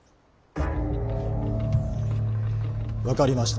分かりました。